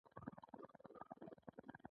انټي باډي د مکروبونو ضد جګړه کوي